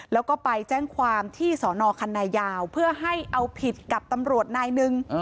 แล้วก็ไปแจ้งความที่สอนอคันนายาวเพื่อให้เอาผิดกับตำรวจนายหนึ่ง